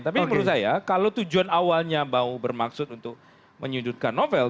tapi menurut saya kalau tujuan awalnya mau bermaksud untuk menyudutkan novel